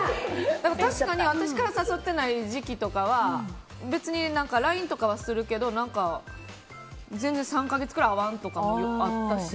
確かに私から誘ってない時期とかは別にＬＩＮＥとかはするけど全然３か月くらい会わないとかもあったし。